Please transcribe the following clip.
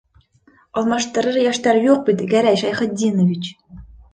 Алмаштырыр йәштәр юҡ бит, Гәрәй Шәйхетдинович!